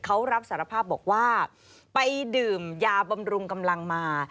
เขารับสารภาพบอกว่าไปดื่มยาบำรุงกำลังมา